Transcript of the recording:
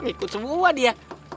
ngikut semua dia